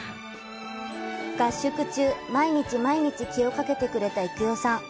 合宿中、毎日毎日、気をかけてくれた幾代さん。